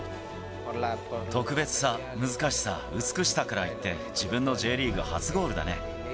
特別さ、難しさ、美しさからいって、自分のＪリーグ初ゴールだね。